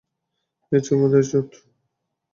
এই চুপ, মাদারচোদ!